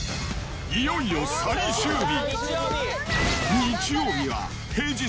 いよいよ最終日。